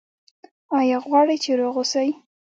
ایا غواړئ چې روغ اوسئ؟